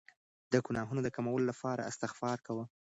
د ګناهونو د کمولو لپاره استغفار کوه.